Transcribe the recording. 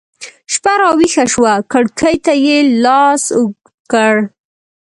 شپه راویښه شوه کړکۍ ته يې لاس اوږد کړ